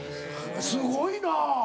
すごいなぁ！